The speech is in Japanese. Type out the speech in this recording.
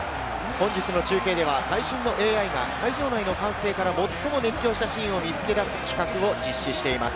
本日の中継では最新のＡＩが会場内の歓声から最も熱狂したシーンを見つけ出す企画を実施しています。